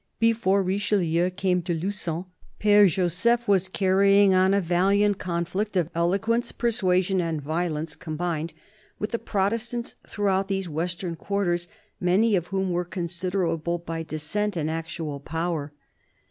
Before Richelieu came to Lugon, Pfere Joseph was carrying on a valiant conflict of eloquence, THE BISHOP OF LUgON 4; persuasion and violence combined, with the Protestants throughout these western quarters, many of whom were considerable by descent and actual power.